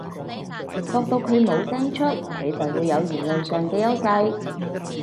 駁到佢冇聲出，你就會有言論上嘅優勢